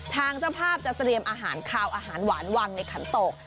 เจ้าภาพจะเตรียมอาหารคาวอาหารหวานวางในขันตก